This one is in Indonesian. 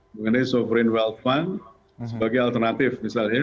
mengenai sovereign wealth fund sebagai alternatif misalnya